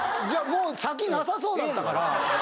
もう先なさそうだったから。